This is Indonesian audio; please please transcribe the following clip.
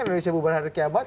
indonesia bubar hari kiamat